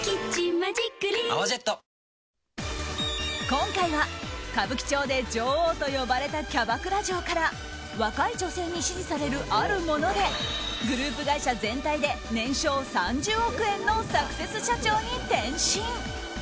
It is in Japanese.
今回は歌舞伎町で嬢王と呼ばれたキャバクラ嬢から若い女性に支持されるあるものでグループ会社全体で年商３０億円のサクセス社長に転身。